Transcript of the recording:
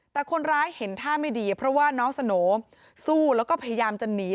แต่คนร้ายเห็นท่าไม่ดีเพราะว่าน้องสโหน่สู้แล้วก็พยายามจะหนี